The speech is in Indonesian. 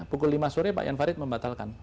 pukul lima sore pak jan farid membatalkan